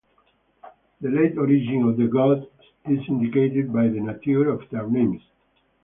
The late origin of the gods is indicated by the nature of their names.